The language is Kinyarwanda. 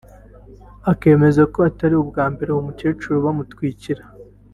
akemeza ko atari ubwa mbere uwo mukecuru bamutwikira